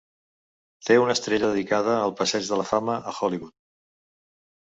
Té una estrella dedicada al Passeig de la Fama a Hollywood.